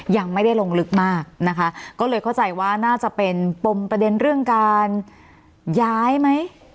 ยังไม่ได้ลงลึกมากนะคะก็เลยเข้าใจว่าน่าจะเป็นปมประเด็นเรื่องการย้ายไหม